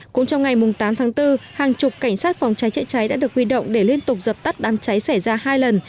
cũng trong ngày tám tháng bốn hàng chục cảnh sát phòng cháy chữa cháy đã được huy động để liên tục dập tắt đám cháy xảy ra hai lần